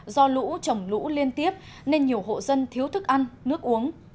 do lũ trồng lũ liên tiếp nên nhiều hộ dân thiếu thức ăn nước uống